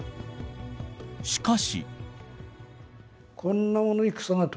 しかし。